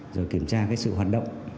rồi kiểm tra sự hoạt động